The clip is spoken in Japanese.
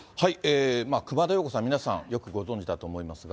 熊田曜子さん、皆さんよくご存じだと思いますが。